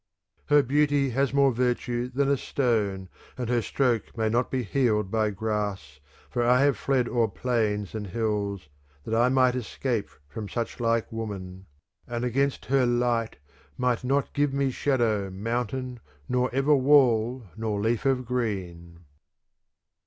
Her beauty has more virtue than a stone, and her stroke may not be healed by grass for I have fled o'er plains and hills that I might escape from such like woman ; and against her light might not give me shadow mountain nor ever wall nor leaf of green.